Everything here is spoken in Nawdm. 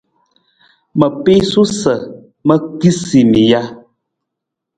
Ma piisu sa ma kiisa mi ja?